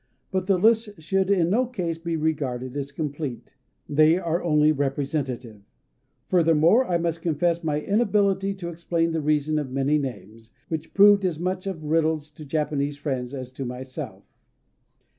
But the lists should in no case be regarded as complete: they are only representative. Furthermore, I must confess my inability to explain the reason of many names, which proved as much of riddles to Japanese friends as to myself.